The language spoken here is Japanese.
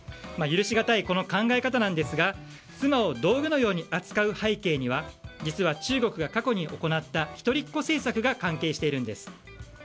許しがたいこの考え方なんですが妻を道具のように扱う背景には実は中国が過去に行った一人っ子政策が関係しているんです。